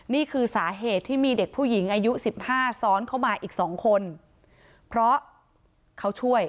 นี่คือสาเหตุที่มีเด็กผู้หญิงอายุสิบห้าซ้อนเข้ามาอีกสองคนเพราะเขาช่วย